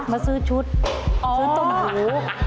มาซื้อชุดซื้อต้มขา